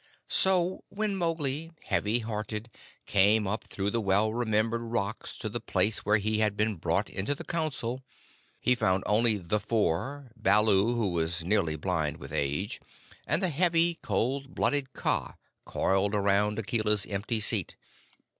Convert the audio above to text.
So when Mowgli, heavy hearted, came up through the well remembered rocks to the place where he had been brought into the Council, he found only the Four, Baloo, who was nearly blind with age, and the heavy, cold blooded Kaa coiled around Akela's empty seat.